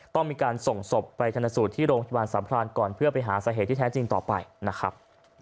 ต้องมีการส่งศพไปชนสูตรที่โรงพยาบาลสัมพรานก่อนเพื่อไปหาสาเหตุที่แท้จริงต่อไปนะครับ